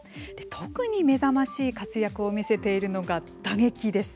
特に目覚ましい活躍を見せているのが打撃です。